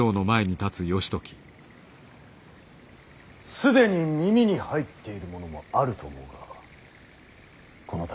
既に耳に入っている者もあると思うがこの度。